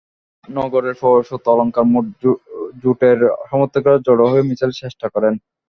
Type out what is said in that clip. নগরের প্রবেশপথ অলংকার মোড়ে জোটের সমর্থকেরা জড়ো হয়ে মিছিলের চেষ্টা করেন।